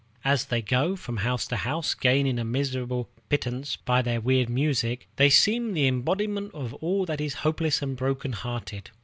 As they go from house to house, gaining a miserable pittance by their weird music, they seem the embodiment of all that is hopeless and broken hearted.